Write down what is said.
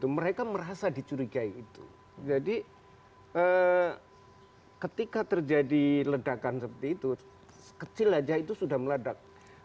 mereka merasa dicurigai itu jadi ketika terjadi ledakan seperti itu kecil aja itu sudah meledak